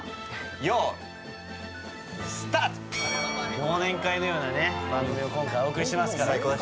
忘年会のような番組をお送りしますから。